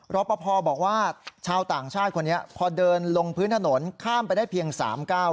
รอปภบอกว่าชาวต่างชาติคนนี้พอเดินลงพื้นถนนข้ามไปได้เพียงสามก้าว